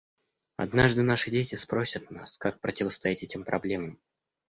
Однажды наши дети спросят нас, как противостоять этим проблемам.